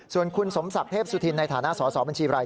ส่วนคุณสมศักดิ์เทพสุธินในฐานะสอสอบัญชีราย